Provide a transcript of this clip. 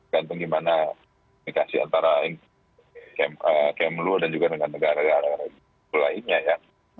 ganteng bagaimana imigrasi antara kmu dan juga dengan negara negara lainnya